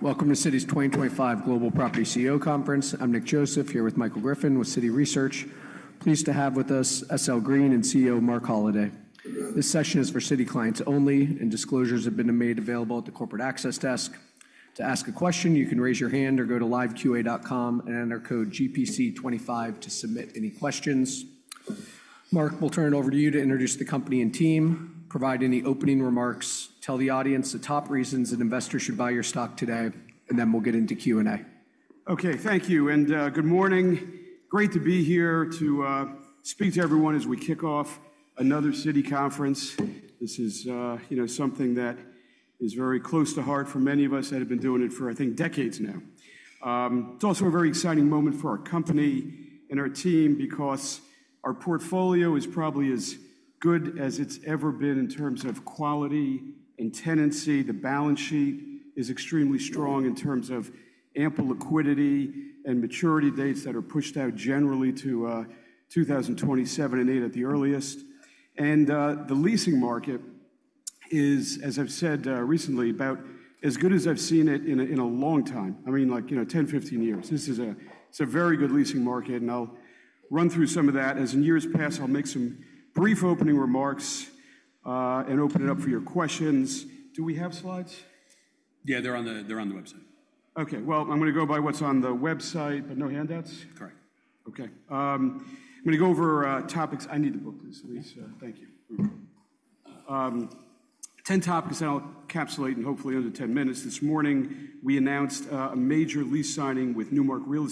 Welcome to Citi's 2025 Global Property CEO Conference. I'm Nick Joseph, here with Michael Griffin with Citi Research. Pleased to have with us SL Green and CEO Marc Holliday. This session is for Citi clients only, and disclosures have been made available at the corporate access desk. To ask a question, you can raise your hand or go to liveqa.com and enter code GPC25 to submit any questions. Marc, we'll turn it over to you to introduce the company and team, provide any opening remarks, tell the audience the top reasons that investors should buy your stock today, and then we'll get into Q&A. Okay, thank you and good morning. Great to be here to speak to everyone as we kick off another Citi conference. This is something that is very close to heart for many of us that have been doing it for, I think, decades now. It's also a very exciting moment for our company and our team because our portfolio is probably as good as it's ever been in terms of quality and tenancy. The balance sheet is extremely strong in terms of ample liquidity and maturity dates that are pushed out generally to 2027 and 2028 at the earliest, and the leasing market is, as I've said recently, about as good as I've seen it in a long time. I mean, like, you know, 10, 15 years. This is a very good leasing market, and I'll run through some of that. As in years past, I'll make some brief opening remarks and open it up for your questions. Do we have slides? Yeah, they're on the website. Okay, well, I'm going to go by what's on the website, but no handouts? Correct. Okay. I'm going to go over topics. I need the booklet, please. Thank you. Ten topics that I'll encapsulate in hopefully under 10 minutes. This morning, we announced a major lease signing with Newmark Group,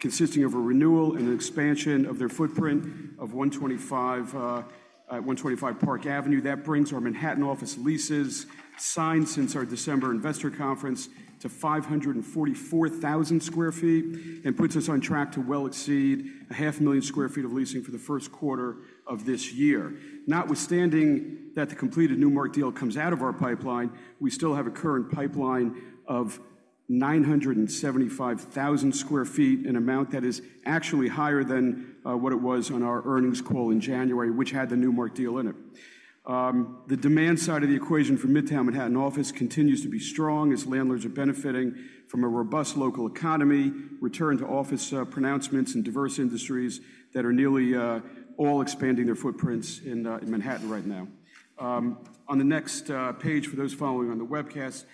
consisting of a renewal and an expansion of their footprint of 125 Park Avenue. That brings our Manhattan office leases signed since our December investor conference to 544,000 sq ft and puts us on track to well exceed 500,000 sq ft of leasing for the first quarter of this year. Notwithstanding that the completed Newmark deal comes out of our pipeline, we still have a current pipeline of 975,000 sq ft, an amount that is actually higher than what it was on our earnings call in January, which had the Newmark deal in it. The demand side of the equation for Midtown Manhattan office continues to be strong as landlords are benefiting from a robust local economy, return to office pronouncements, and diverse industries that are nearly all expanding their footprints in Manhattan right now. On the next page, for those following on the webcast,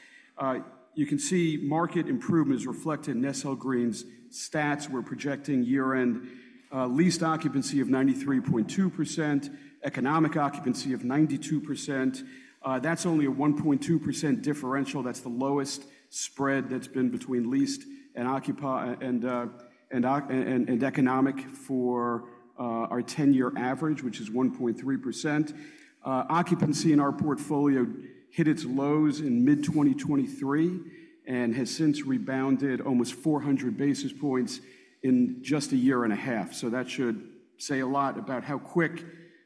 you can see market improvements reflected in SL Green's stats. We're projecting year-end lease occupancy of 93.2%, economic occupancy of 92%. That's only a 1.2% differential. That's the lowest spread that's been between leased and economic for our 10-year average, which is 1.3%. Occupancy in our portfolio hit its lows in mid-2023 and has since rebounded almost 400 basis points in just a year and a half. So that should say a lot about how quick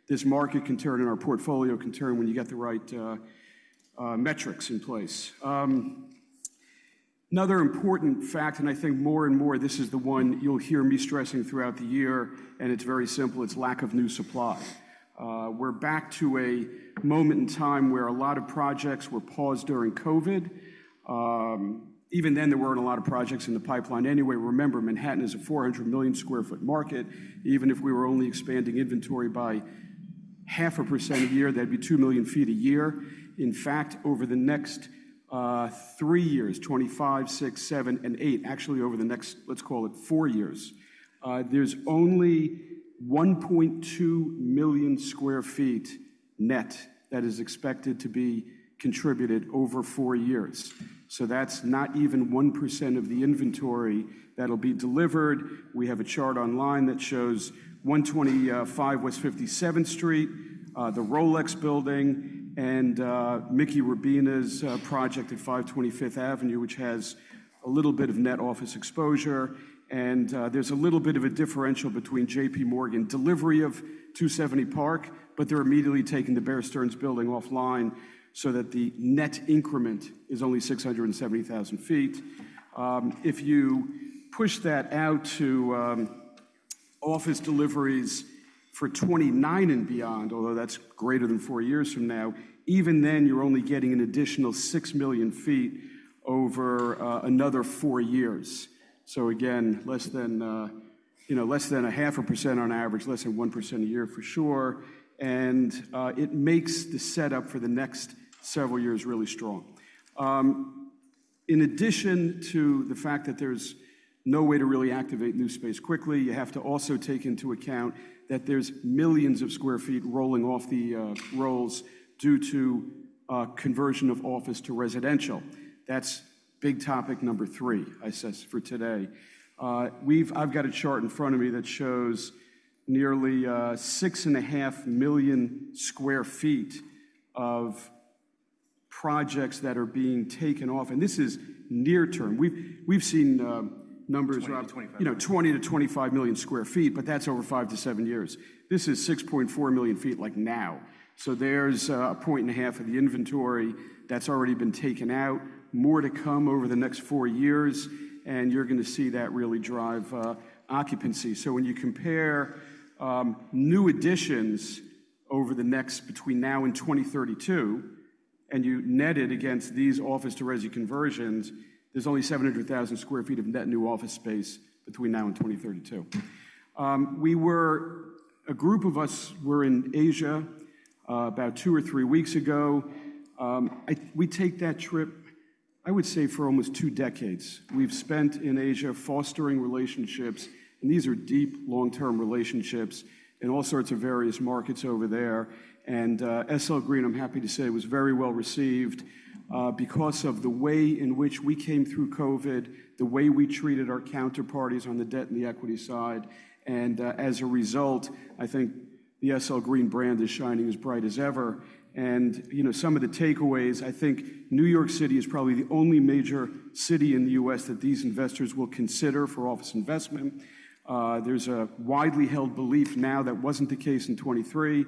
this market can turn and our portfolio can turn when you get the right metrics in place. Another important fact, and I think more and more this is the one you'll hear me stressing throughout the year, and it's very simple. It's lack of new supply. We're back to a moment in time where a lot of projects were paused during COVID. Even then, there weren't a lot of projects in the pipeline anyway. Remember, Manhattan is a 400 million sq ft market. Even if we were only expanding inventory by 0.5% a year, that'd be 2 million sq ft a year. In fact, over the next three years, 2025, 2026, 2027, and 2028, actually over the next, let's call it four years, there's only 1.2 million sq ft net that is expected to be contributed over four years. So that's not even 1% of the inventory that'll be delivered. We have a chart online that shows 125 West 57th Street, the Rolex building, and Micky Rabina's project at 520 Fifth Avenue, which has a little bit of net office exposure, and there's a little bit of a differential between JPMorgan delivery of 270 Park Avenue, but they're immediately taking the Bear Stearns building offline so that the net increment is only 670,000 sq ft. If you push that out to office deliveries for 2029 and beyond, although that's greater than four years from now, even then you're only getting an additional 6 million sq ft over another four years, so again, less than 0.5% on average, less than 1% a year for sure, and it makes the setup for the next several years really strong. In addition to the fact that there's no way to really activate new space quickly, you have to also take into account that there's millions of sq ft rolling off the rolls due to conversion of office to residential. That's big topic number three, I suspect, for today. I've got a chart in front of me that shows nearly 6.5 million sq ft of projects that are being taken off. And this is near term. We've seen numbers around 20 million-25 million sq ft, but that's over five to seven years. This is 6.4 million sq ft like now. So there's a point and a half of the inventory that's already been taken out, more to come over the next four years, and you're going to see that really drive occupancy. When you compare new additions over the next between now and 2032, and you net it against these office-to-resi conversions, there's only 700,000 sq ft of net new office space between now and 2032. A group of us were in Asia about two or three weeks ago. We take that trip, I would say, for almost two decades. We've spent in Asia fostering relationships, and these are deep long-term relationships in all sorts of various markets over there. And SL Green, I'm happy to say, was very well received because of the way in which we came through COVID, the way we treated our counterparties on the debt and the equity side. And as a result, I think the SL Green brand is shining as bright as ever. And some of the takeaways, I think New York City is probably the only major city in the U.S. that these investors will consider for office investment. There's a widely held belief now that wasn't the case in 2023,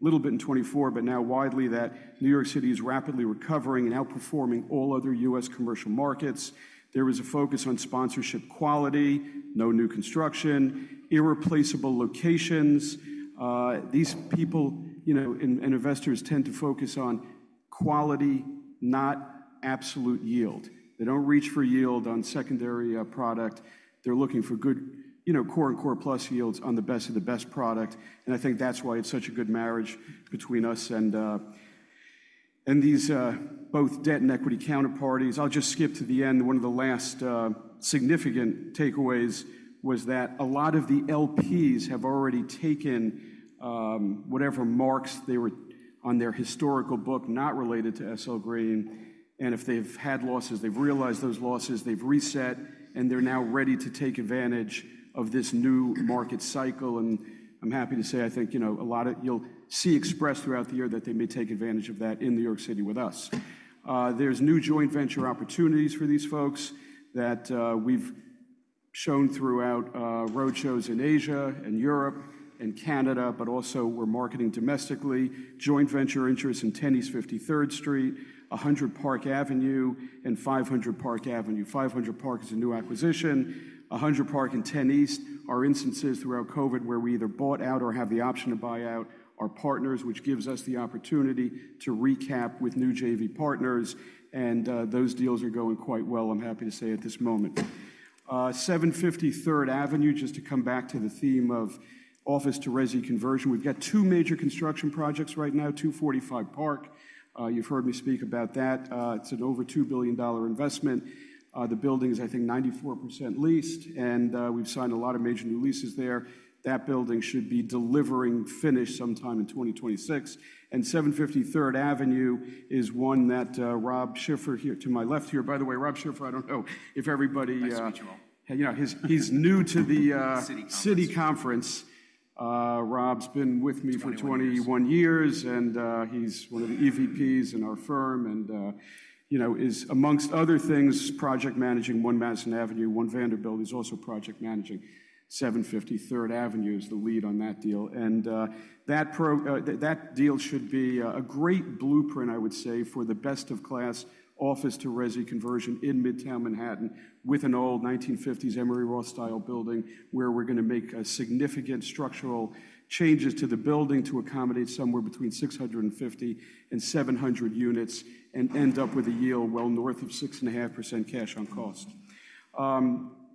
a little bit in 2024, but now widely that New York City is rapidly recovering and outperforming all other U.S. commercial markets. There was a focus on sponsorship quality, no new construction, irreplaceable locations. These people and investors tend to focus on quality, not absolute yield. They don't reach for yield on secondary product. They're looking for good core and core plus yields on the best of the best product. And I think that's why it's such a good marriage between us and these both debt and equity counterparties. I'll just skip to the end. One of the last significant takeaways was that a lot of the LPs have already taken whatever marks they were on their historical book not related to SL Green. If they've had losses, they've realized those losses, they've reset, and they're now ready to take advantage of this new market cycle. I'm happy to say, I think you'll see expressed throughout the year that they may take advantage of that in New York City with us. There's new joint venture opportunities for these folks that we've shown throughout roadshows in Asia and Europe and Canada, but also we're marketing domestically. Joint venture interest in 10 East 53rd Street, 100 Park Avenue, and 500 Park Avenue. 500 Park is a new acquisition. 100 Park and 10 East are instances throughout COVID where we either bought out or have the option to buy out our partners, which gives us the opportunity to recap with new JV partners. Those deals are going quite well, I'm happy to say, at this moment. Third Avenue, just to come back to the theme of office-to-resi conversion, we've got two major construction projects right now, 245 Park Avenue. You've heard me speak about that. It's an over $2 billion investment. The building is, I think, 94% leased, and we've signed a lot of major new leases there. That building should be delivering finished sometime in 2026. And 750 Third Avenue is one that Rob Schiffer here to my left here, by the way, Rob Schiffer, I don't know if everybody. Nice to meet you all. He's new to the Citi conference. Rob's been with me for 21 years, and he's one of the EVPs in our firm and is, among other things, project managing One Madison Avenue, One Vanderbilt. He's also project managing 750 Third Avenue as the lead on that deal. And that deal should be a great blueprint, I would say, for the best of class office-to-resi conversion in Midtown Manhattan with an old 1950s Emery Roth style building where we're going to make significant structural changes to the building to accommodate somewhere between 650 and 700 units and end up with a yield well north of 6.5% cash on cost.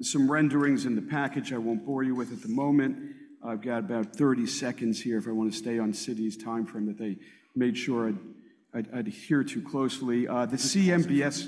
Some renderings in the package I won't bore you with at the moment. I've got about 30 seconds here if I want to stay on Citi's timeframe that they made sure I'd adhere to closely. The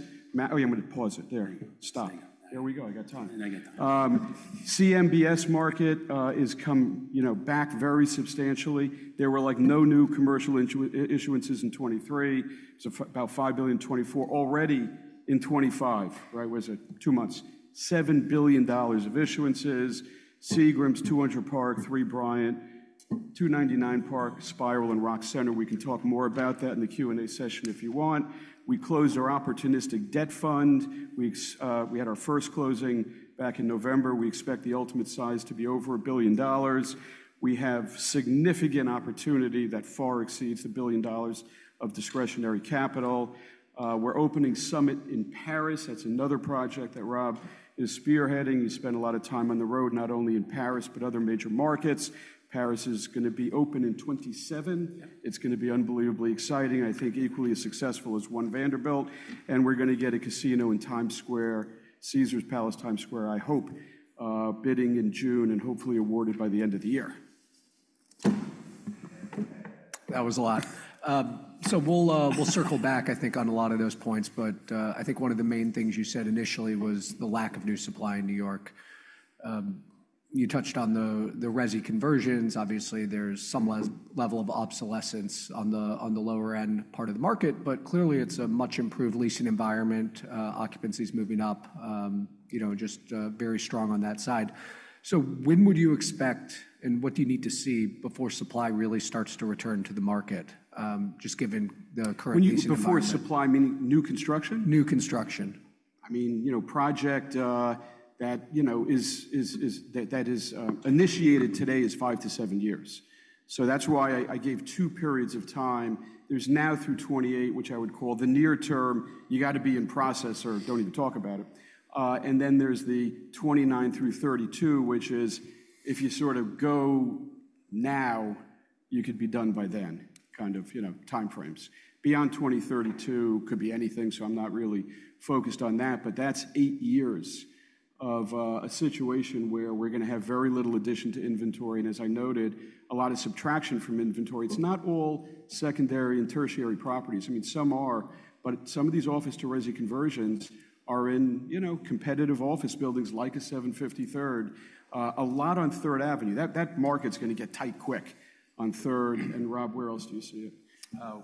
CMBS market has come back very substantially. There were like no new commercial issuances in 2023. It's about $5 billion in 2024. Already in 2025, right, was it? Two months. $7 billion of issuances. Seagram, 200 Park, 3 Bryant, 299 Park, Spiral, and Rock Center. We can talk more about that in the Q&A session if you want. We closed our opportunistic debt fund. We had our first closing back in November. We expect the ultimate size to be over a billion dollars. We have significant opportunity that far exceeds the billion dollars of discretionary capital. We're opening SUMMIT in Paris. That's another project that Rob is spearheading. He spent a lot of time on the road, not only in Paris, but other major markets. Paris is going to be open in 2027. It's going to be unbelievably exciting. I think equally as successful as One Vanderbilt. And we're going to get a casino in Times Square, Caesars Palace Times Square, I hope, bidding in June and hopefully awarded by the end of the year. That was a lot. So we'll circle back, I think, on a lot of those points, but I think one of the main things you said initially was the lack of new supply in New York. You touched on the resi conversions. Obviously, there's some level of obsolescence on the lower end part of the market, but clearly it's a much improved leasing environment. Occupancy is moving up, just very strong on that side. So when would you expect and what do you need to see before supply really starts to return to the market, just given the current leasing market? When you say before supply, meaning new construction? New construction. I mean, project that is initiated today is five to seven years. So that's why I gave two periods of time. There's now through 2028, which I would call the near term. You got to be in process or don't even talk about it. And then there's the 2029 through 2032, which is if you sort of go now, you could be done by then, kind of timeframes. Beyond 2032 could be anything, so I'm not really focused on that, but that's eight years of a situation where we're going to have very little addition to inventory. And as I noted, a lot of subtraction from inventory. It's not all secondary and tertiary properties. I mean, some are, but some of these office-to-resi conversions are in competitive office buildings like 750 Third, a lot on Third Avenue. That market's going to get tight quick on Third. Rob, where else do you see it?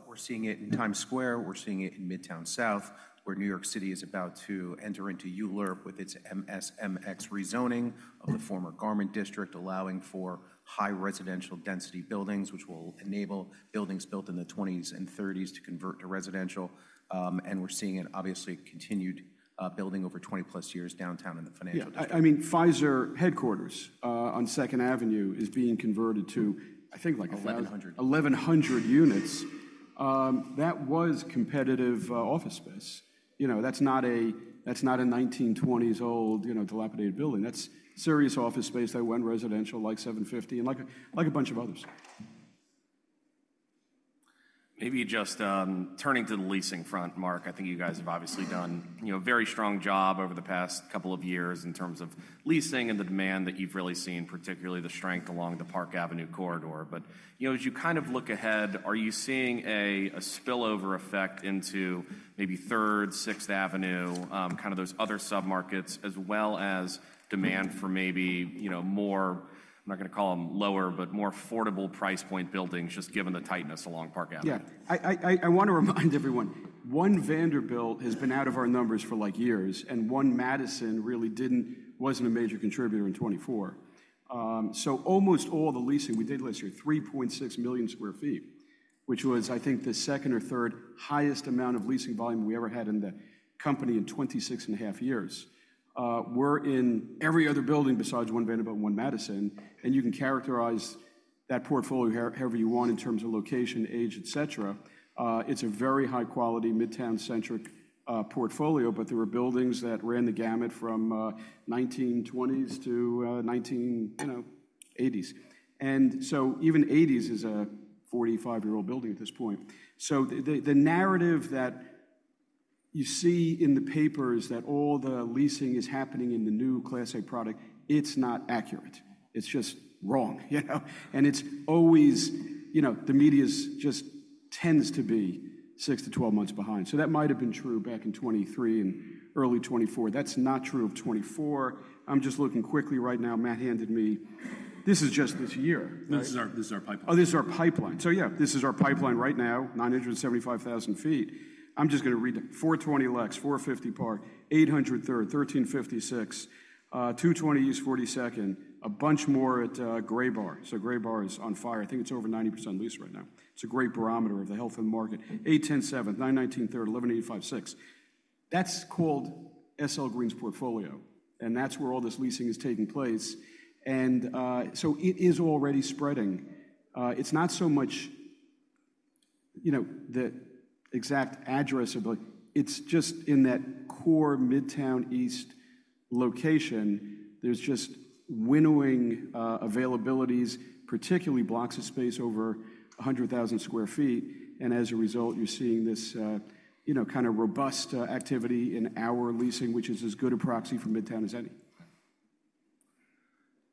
We're seeing it in Times Square. We're seeing it in Midtown South, where New York City is about to enter into ULURP with its MSMX rezoning of the former Garment District, allowing for high residential density buildings, which will enable buildings built in the '20s and '30s to convert to residential. And we're seeing it obviously continued building over 20 plus years downtown in the Financial District. I mean, Pfizer headquarters on Second Avenue is being converted to, I think, like 1,100 units. That was competitive office space. That's not a 1920s old dilapidated building. That's serious office space that went residential like 750 and like a bunch of others. Maybe just turning to the leasing front, Marc, I think you guys have obviously done a very strong job over the past couple of years in terms of leasing and the demand that you've really seen, particularly the strength along the Park Avenue corridor. But as you kind of look ahead, are you seeing a spillover effect into maybe 3rd, 6th Avenue, kind of those other submarkets, as well as demand for maybe more, I'm not going to call them lower, but more affordable price point buildings just given the tightness along Park Avenue? Yeah. I want to remind everyone, One Vanderbilt has been out of our numbers for like years, and One Madison really wasn't a major contributor in 2024. So almost all the leasing we did last year, 3.6 million sq ft, which was, I think, the second or third highest amount of leasing volume we ever had in the company in 26 and a half years. We're in every other building besides One Vanderbilt and One Madison. And you can characterize that portfolio however you want in terms of location, age, et cetera. It's a very high-quality Midtown-centric portfolio, but there were buildings that ran the gamut from 1920s to 1980s. And so even 1980s is a 45-year-old building at this point. So the narrative that you see in the papers that all the leasing is happening in the new class A product, it's not accurate. It's just wrong. And it's always the media just tends to be six to 12 months behind. So that might have been true back in 2023 and early 2024. That's not true of 2024. I'm just looking quickly right now. Matt handed me. This is just this year. This is our pipeline. Oh, this is our pipeline. So yeah, this is our pipeline right now, 975,000 sq ft. I'm just going to read that. 420 Lex, 450 Park, 800 Third, 1350, 220 East 42nd, a bunch more at Graybar. So Graybar is on fire. I think it's over 90% leased right now. It's a great barometer of the health of the market. 810 Seventh, 919 Third, 1185 Sixth. That's called SL Green's portfolio. And that's where all this leasing is taking place. And so it is already spreading. It's not so much the exact address, but it's just in that core Midtown East location. There's just winnowing availabilities, particularly blocks of space over 100,000 sq ft. And as a result, you're seeing this kind of robust activity in our leasing, which is as good a proxy for Midtown as any.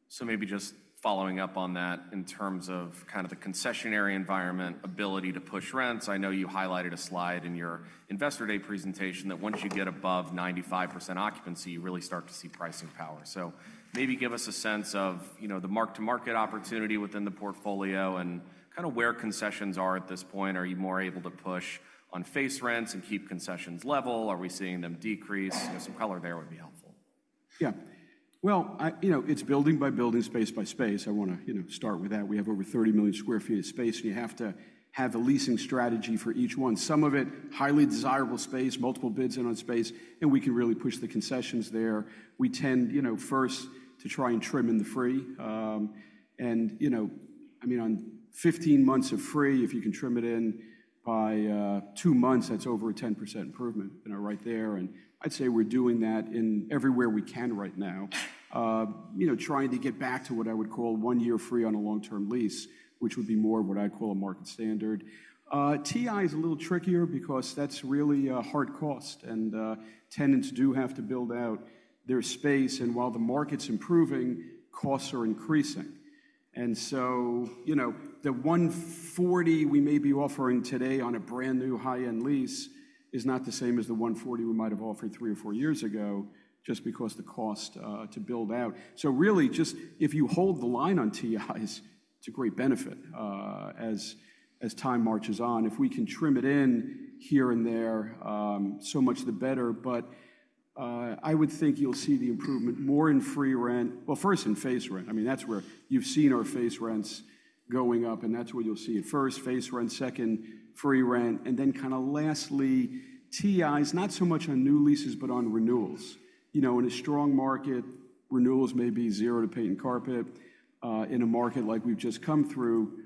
So, maybe just following up on that in terms of kind of the concessionary environment, ability to push rents. I know you highlighted a slide in your investor day presentation that once you get above 95% occupancy, you really start to see pricing power. So, maybe give us a sense of the mark-to-market opportunity within the portfolio and kind of where concessions are at this point. Are you more able to push on face rents and keep concessions level? Are we seeing them decrease? Some color there would be helpful. Yeah. Well, it's building by building, space by space. I want to start with that. We have over 30 million sq ft of space, and you have to have a leasing strategy for each one. Some of it, highly desirable space, multiple bids in on space, and we can really push the concessions there. We tend first to try and trim in the free. And I mean, on 15 months of free, if you can trim it in by two months, that's over a 10% improvement right there. And I'd say we're doing that in everywhere we can right now, trying to get back to what I would call one-year free on a long-term lease, which would be more of what I'd call a market standard. TI is a little trickier because that's really a hard cost, and tenants do have to build out their space. While the market's improving, costs are increasing, so the $140 we may be offering today on a brand new high-end lease is not the same as the $140 we might have offered three or four years ago just because the cost to build out. Really, just if you hold the line on TIs, it's a great benefit as time marches on. If we can trim it in here and there, so much the better. I would think you'll see the improvement more in free rent. First in face rent. I mean, that's where you've seen our face rents going up, and that's where you'll see it first, face rent, second, free rent. Then kind of lastly, TIs, not so much on new leases, but on renewals. In a strong market, renewals may be zero to paint and carpet. In a market like we've just come through,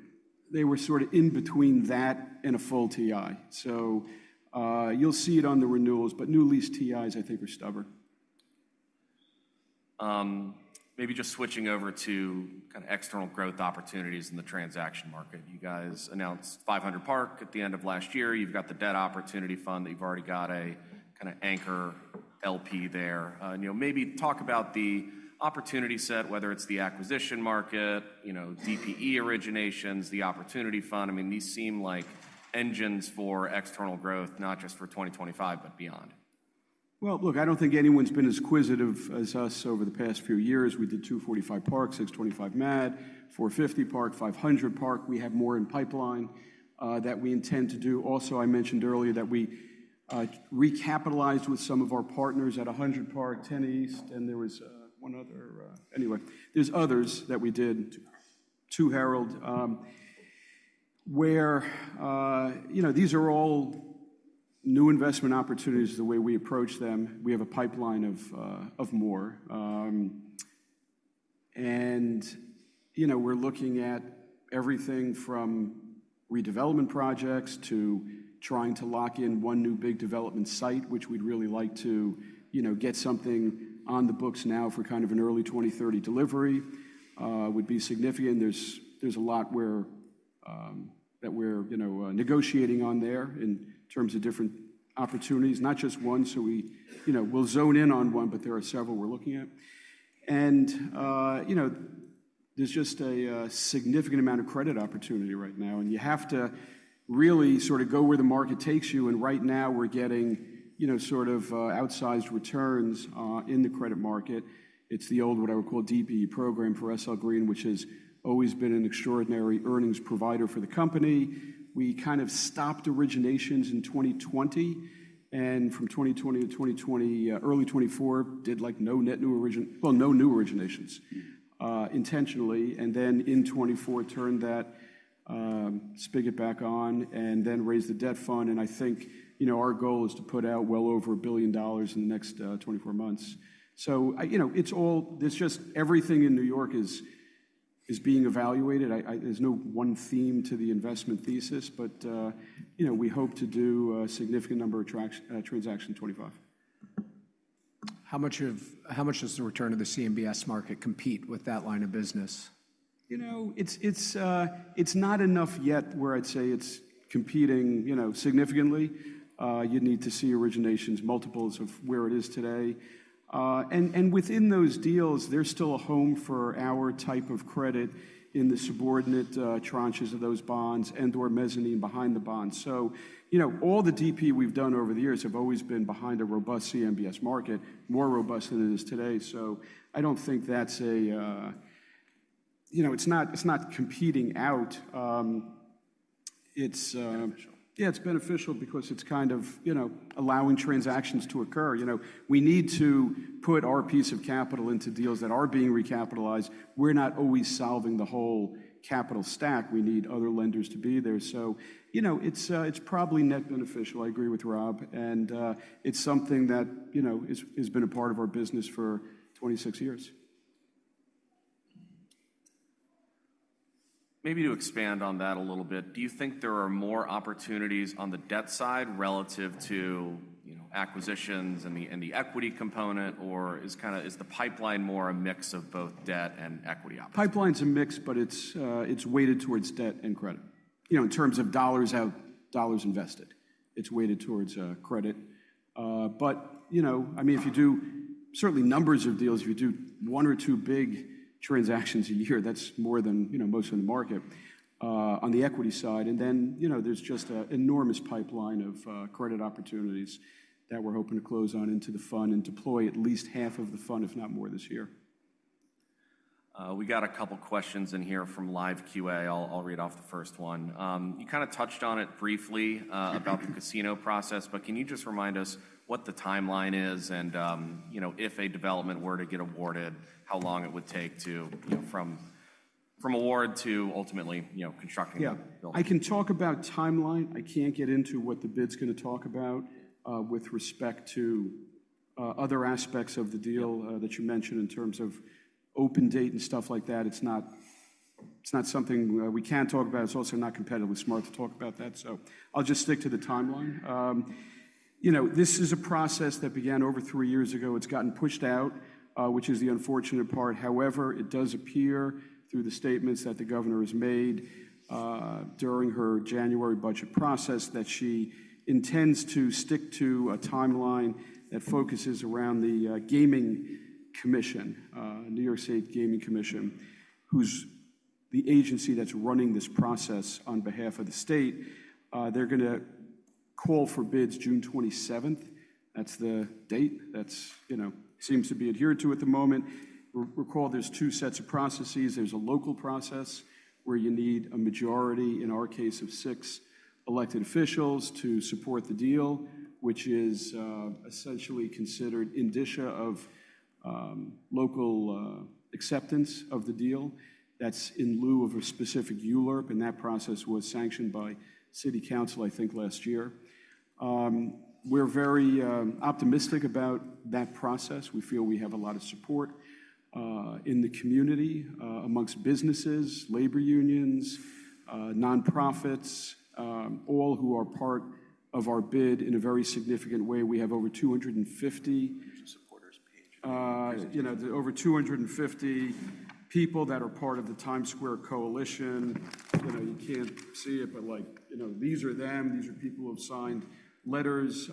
they were sort of in between that and a full TI. So you'll see it on the renewals, but new lease TIs, I think, are stubborn. Maybe just switching over to kind of external growth opportunities in the transaction market. You guys announced 500 Park at the end of last year. You've got the Debt Opportunity Fund that you've already got a kind of anchor LP there. Maybe talk about the opportunity set, whether it's the acquisition market, DPE originations, the Opportunity Fund. I mean, these seem like engines for external growth, not just for 2025, but beyond. Look, I don't think anyone's been as acquisitive as us over the past few years. We did 245 Park, 625 Mad, 450 Park, 500 Park. We have more in pipeline that we intend to do. Also, I mentioned earlier that we recapitalized with some of our partners at 100 Park, 10 East, and there was one other. Anyway, there's others that we did 2 Herald, where these are all new investment opportunities the way we approach them. We have a pipeline of more. And we're looking at everything from redevelopment projects to trying to lock in one new big development site, which we'd really like to get something on the books now for kind of an early 2030 delivery, which would be significant. There's a lot that we're negotiating on there in terms of different opportunities, not just one. We'll zone in on one, but there are several we're looking at. There's just a significant amount of credit opportunity right now. You have to really sort of go where the market takes you. Right now, we're getting sort of outsized returns in the credit market. It's the old, what I would call DPE program for SL Green, which has always been an extraordinary earnings provider for the company. We kind of stopped originations in 2020. From 2020 to early 2024, did like no new originations intentionally. Then in 2024, turned that spigot back on and then raised the debt fund. I think our goal is to put out well over $1 billion in the next 24 months. It's all just everything in New York is being evaluated. There's no one theme to the investment thesis, but we hope to do a significant number of transactions in 2025. How much does the return of the CMBS market compete with that line of business? It's not enough yet where I'd say it's competing significantly. You'd need to see originations multiples of where it is today. And within those deals, there's still a home for our type of credit in the subordinate tranches of those bonds and/or mezzanine behind the bonds. So all the DPE we've done over the years have always been behind a robust CMBS market, more robust than it is today. So I don't think that's. It's not competing out. It's. Beneficial. Yeah, it's beneficial because it's kind of allowing transactions to occur. We need to put our piece of capital into deals that are being recapitalized. We're not always solving the whole capital stack. We need other lenders to be there. So it's probably net beneficial. I agree with Rob, and it's something that has been a part of our business for 26 years. Maybe to expand on that a little bit, do you think there are more opportunities on the debt side relative to acquisitions and the equity component, or is the pipeline more a mix of both debt and equity opportunities? Pipeline's a mix, but it's weighted towards debt and credit. In terms of dollars, however dollars invested, it's weighted towards credit. But I mean, if you do certain numbers of deals, if you do one or two big transactions a year, that's more than most of the market on the equity side. And then there's just an enormous pipeline of credit opportunities that we're hoping to close on into the fund and deploy at least half of the fund, if not more this year. We got a couple of questions in here from live QA. I'll read off the first one. You kind of touched on it briefly about the casino process, but can you just remind us what the timeline is and if a development were to get awarded, how long it would take from award to ultimately constructing a building? Yeah. I can talk about timeline. I can't get into what the bid's going to talk about with respect to other aspects of the deal that you mentioned in terms of open date and stuff like that. It's not something we can talk about. It's also not competitively smart to talk about that. So I'll just stick to the timeline. This is a process that began over three years ago. It's gotten pushed out, which is the unfortunate part. However, it does appear through the statements that the governor has made during her January budget process that she intends to stick to a timeline that focuses around the Gaming Commission, New York State Gaming Commission, who's the agency that's running this process on behalf of the state. They're going to call for bids June 27th. That's the date that seems to be adhered to at the moment. Recall, there's two sets of processes. There's a local process where you need a majority, in our case, of six elected officials to support the deal, which is essentially considered indicia of local acceptance of the deal. That's in lieu of a specific ULURP, and that process was sanctioned by City Council, I think, last year. We're very optimistic about that process. We feel we have a lot of support in the community amongst businesses, labor unions, nonprofits, all who are part of our bid in a very significant way. We have over 250. Supporters. Over 250 people that are part of the Times Square coalition. You can't see it, but these are them. These are people who have signed letters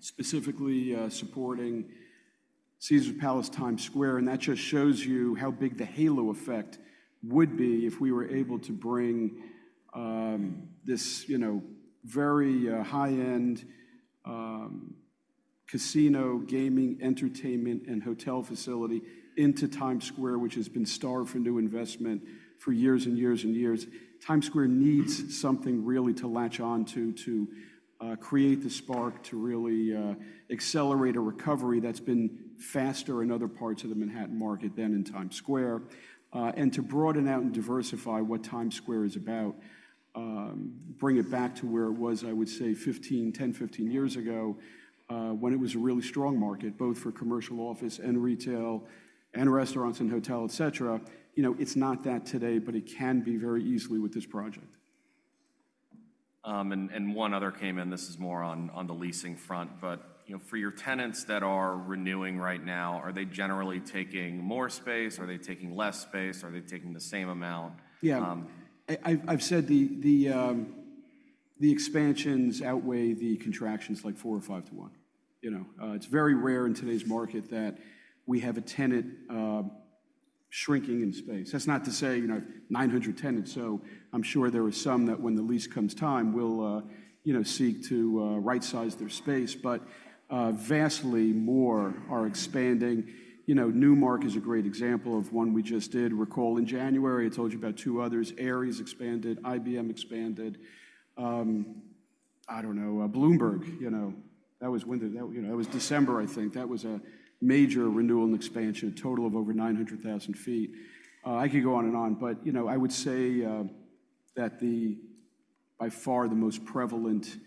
specifically supporting Caesars Palace, Times Square. That just shows you how big the halo effect would be if we were able to bring this very high-end casino, gaming, entertainment, and hotel facility into Times Square, which has been starved for new investment for years and years and years. Times Square needs something really to latch onto to create the spark, to really accelerate a recovery that's been faster in other parts of the Manhattan market than in Times Square, and to broaden out and diversify what Times Square is about, bring it back to where it was, I would say, 10-15 years ago when it was a really strong market, both for commercial office and retail and restaurants and hotel, et cetera. It's not that today, but it can be very easily with this project. One other came in. This is more on the leasing front. For your tenants that are renewing right now, are they generally taking more space? Are they taking less space? Are they taking the same amount? Yeah. I've said the expansions outweigh the contractions like four or five to one. It's very rare in today's market that we have a tenant shrinking in space. That's not to say 900 tenants. So I'm sure there are some that when the lease comes time, we'll seek to right-size their space. But vastly more are expanding. Newmark is a great example of one we just did. Recall in January, I told you about two others. Ares expanded. IBM expanded. I don't know. Bloomberg, that was winter. That was December, I think. That was a major renewal and expansion, a total of over 900,000 sq ft. I could go on and on. But I would say that by far the most prevalent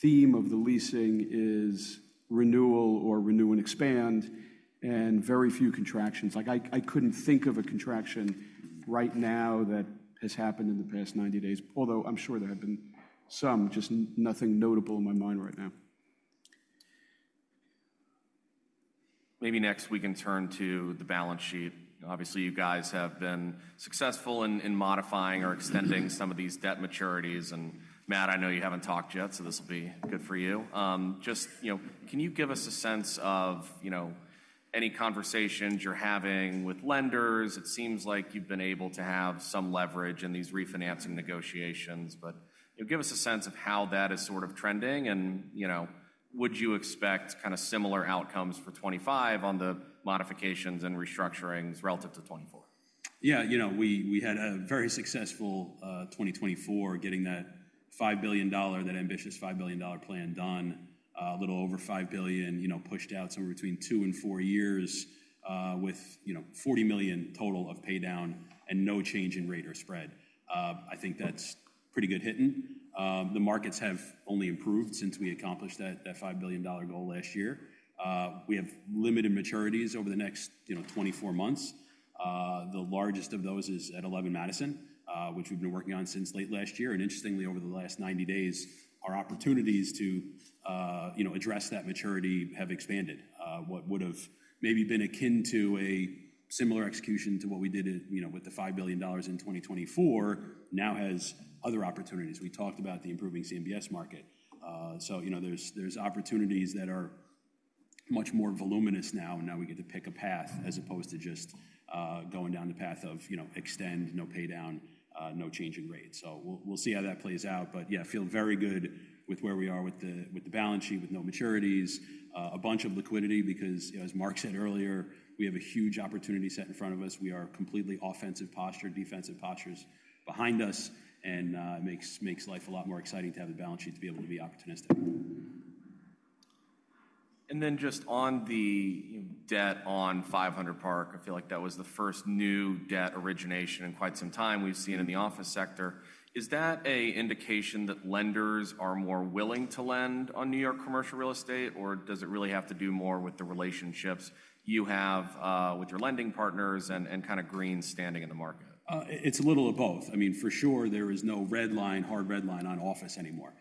theme of the leasing is renewal or renew and expand and very few contractions. I couldn't think of a contraction right now that has happened in the past 90 days, although I'm sure there have been some, just nothing notable in my mind right now. Maybe next we can turn to the balance sheet. Obviously, you guys have been successful in modifying or extending some of these debt maturities. And Matt, I know you haven't talked yet, so this will be good for you. Just can you give us a sense of any conversations you're having with lenders? It seems like you've been able to have some leverage in these refinancing negotiations. But give us a sense of how that is sort of trending. And would you expect kind of similar outcomes for 2025 on the modifications and restructurings relative to 2024? Yeah. We had a very successful 2024 getting that $5 billion, that ambitious $5 billion plan done. A little over $5 billion pushed out somewhere between two and four years with $40 million total of paydown and no change in rate or spread. I think that's pretty good hitting. The markets have only improved since we accomplished that $5 billion goal last year. We have limited maturities over the next 24 months. The largest of those is at 11 Madison, which we've been working on since late last year, and interestingly, over the last 90 days, our opportunities to address that maturity have expanded. What would have maybe been akin to a similar execution to what we did with the $5 billion in 2024 now has other opportunities. We talked about the improving CMBS market, so there's opportunities that are much more voluminous now. Now we get to pick a path as opposed to just going down the path of extend, no paydown, no changing rate. We'll see how that plays out. Yeah, I feel very good with where we are with the balance sheet, with no maturities, a bunch of liquidity because, as Marc said earlier, we have a huge opportunity set in front of us. We are completely offensive posture, defensive postures behind us. It makes life a lot more exciting to have the balance sheet to be able to be opportunistic. And then just on the debt on 500 Park, I feel like that was the first new debt origination in quite some time we've seen in the office sector. Is that an indication that lenders are more willing to lend on New York commercial real estate, or does it really have to do more with the relationships you have with your lending partners and kind of SL Green standing in the market? It's a little of both. I mean, for sure, there is no red line, hard red line on office anymore.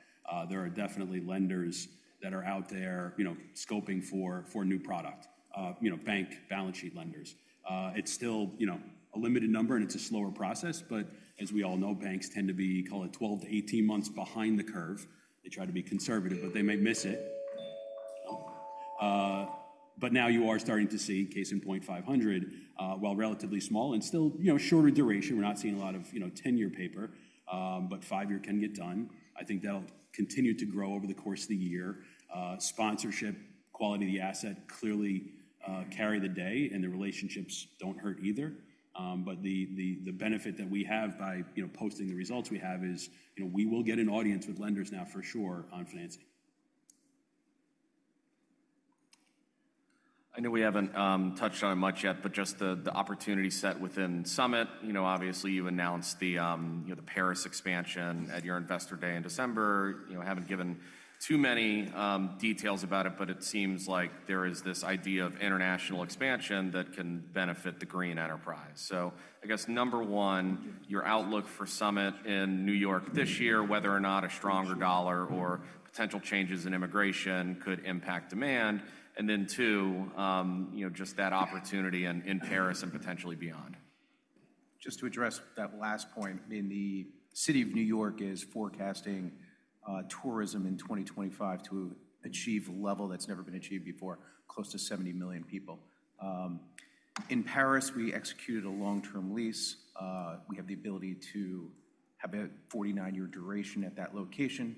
There are definitely lenders that are out there scoping for new product, bank balance sheet lenders. It's still a limited number, and it's a slower process. But as we all know, banks tend to be, call it 12 to 18 months behind the curve. They try to be conservative, but they may miss it. But now you are starting to see case in point 500, while relatively small and still shorter duration. We're not seeing a lot of 10-year paper, but five-year can get done. I think they'll continue to grow over the course of the year. Sponsorship, quality of the asset clearly carry the day, and the relationships don't hurt either. But the benefit that we have by posting the results we have is we will get an audience with lenders now for sure on financing. I know we haven't touched on it much yet, but just the opportunity set within SUMMIT. Obviously, you announced the Paris expansion at your investor day in December. I haven't given too many details about it, but it seems like there is this idea of international expansion that can benefit SL Green. So I guess number one, your outlook for SUMMIT in New York this year, whether or not a stronger dollar or potential changes in immigration could impact demand. And then two, just that opportunity in Paris and potentially beyond. Just to address that last point, I mean, the city of New York is forecasting tourism in 2025 to achieve a level that's never been achieved before, close to 70 million people. In Paris, we executed a long-term lease. We have the ability to have a 49-year duration at that location.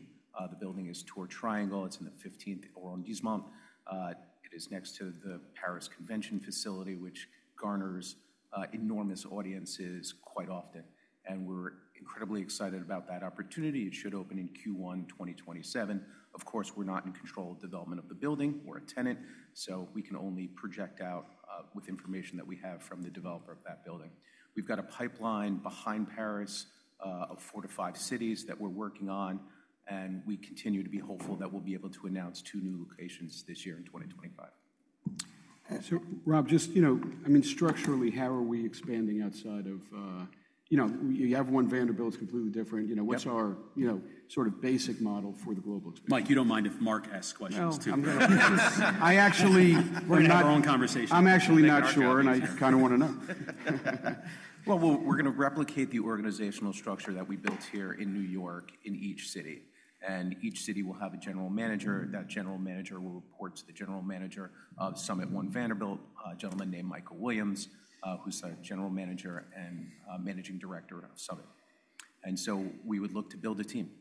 The building is Tour Triangle. It's in the 15th Arrondissement. It is next to the Paris Convention facility, which garners enormous audiences quite often. And we're incredibly excited about that opportunity. It should open in Q1 2027. Of course, we're not in control of development of the building. We're a tenant. So we can only project out with information that we have from the developer of that building. We've got a pipeline behind Paris of four to five cities that we're working on. We continue to be hopeful that we'll be able to announce two new locations this year in 2025. So, Rob, just, I mean, structurally, how are we expanding outside of you have One Vanderbilt is completely different. What's our sort of basic model for the global expansion? Mike, you don't mind if Marc asks questions too? I'm going to. I actually am not. We're in our own conversation. I'm actually not sure, and I kind of want to know. We're going to replicate the organizational structure that we built here in New York in each city. Each city will have a general manager. That general manager will report to the general manager of SUMMIT One Vanderbilt, a gentleman named Michael Williams, who's the general manager and managing director of SUMMIT. We would look to build a team.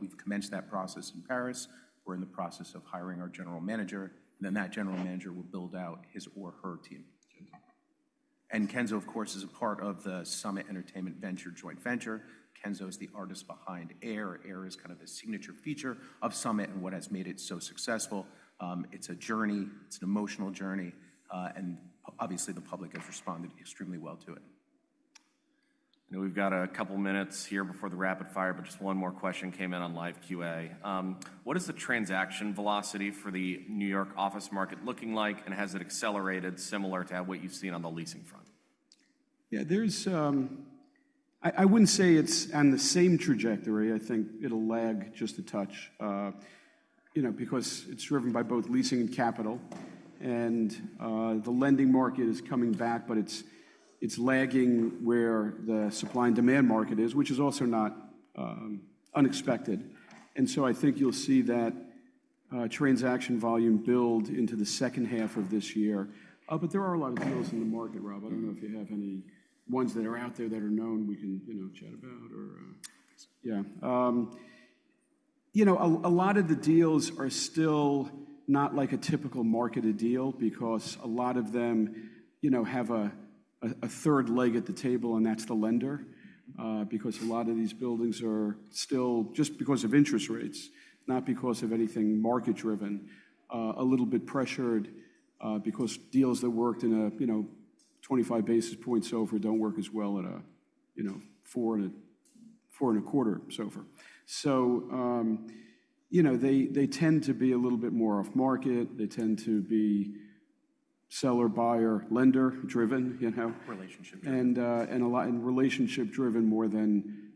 We've commenced that process in Paris. We're in the process of hiring our general manager. That general manager will build out his or her team. Kenzo, of course, is a part of the Summit Entertainment Venture joint venture. Kenzo is the artist behind Air. Air is kind of a signature feature of SUMMIT and what has made it so successful. It's a journey. It's an emotional journey. Obviously, the public has responded extremely well to it. I know we've got a couple of minutes here before the rapid fire, but just one more question came in on live QA. What is the transaction velocity for the New York office market looking like? And has it accelerated similar to what you've seen on the leasing front? Yeah. I wouldn't say it's on the same trajectory. I think it'll lag just a touch because it's driven by both leasing and capital. And the lending market is coming back, but it's lagging where the supply and demand market is, which is also not unexpected. And so I think you'll see that transaction volume build into the second half of this year. But there are a lot of deals in the market, Rob. I don't know if you have any ones that are out there that are known we can chat about. A lot of the deals are still not like a typical marketed deal because a lot of them have a third leg at the table, and that's the lender because a lot of these buildings are still just because of interest rates, not because of anything market-driven, a little bit pressured because deals that worked in a 25 basis points over don't work as well at a four and a quarter SOFR so they tend to be a little bit more off-market. They tend to be seller, buyer, lender-driven. Relationship-driven. Relationship-driven more than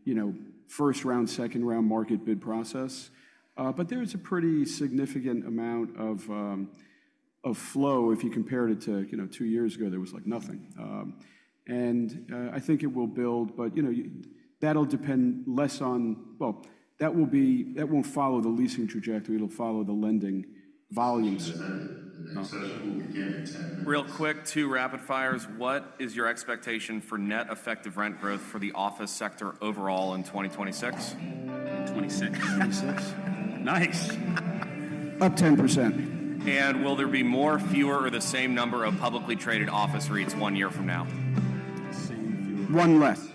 first round, second round market bid process. But there is a pretty significant amount of flow. If you compare it to two years ago, there was like nothing. I think it will build, but that'll depend less on, well, that won't follow the leasing trajectory. It'll follow the lending volumes. Real quick, two rapid fires. What is your expectation for net effective rent growth for the office sector overall in 2026? 2026. 2026. Nice. Up 10%. Will there be more, fewer, or the same number of publicly traded office REITs one year from now? One less.